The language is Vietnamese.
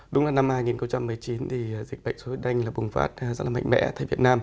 đúng là năm hai nghìn một mươi chín thì dịch bệnh sốt xuất huyết đanh là bùng phát rất là mạnh mẽ tại việt nam